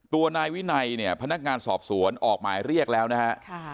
ตัวนายวินัยเนี่ยพนักงานสอบสวนออกหมายเรียกแล้วนะฮะ